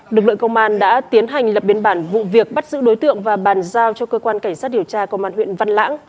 lực lượng công an đã tiến hành lập biên bản vụ việc bắt giữ đối tượng và bàn giao cho cơ quan cảnh sát điều tra công an huyện văn lãng